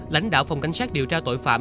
lãnh đạo phòng cảnh sát điều tra tội phạm